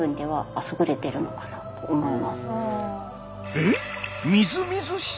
えっ？